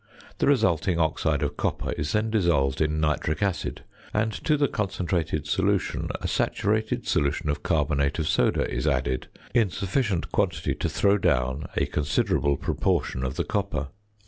The resulting oxide of copper is then dissolved in nitric acid; and to the concentrated solution, a saturated solution of carbonate of soda is added in sufficient quantity to throw down a considerable proportion of the copper.